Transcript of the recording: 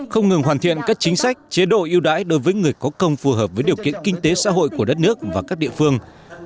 không ngừng hoàn thiện các chính sách chế độ ưu đãi đối với người có công phù hợp với điều kiện kinh tế xã hội của đất nước và các địa phương